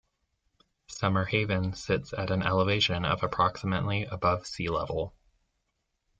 Summerhaven sits at an elevation of approximately above sea level.